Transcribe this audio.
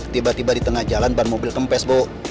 tiba tiba di tengah jalan ban mobil kempes bu